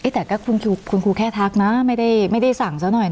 แต่ก็คุณครูแค่ทักนะไม่ได้สั่งซะหน่อย